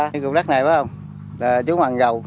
như cục đất này chú mằng gầu